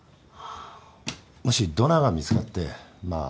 もしドナーが見つかってまあ